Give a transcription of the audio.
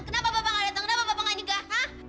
kenapa bapak gak datang kenapa bapak gak nyegah hah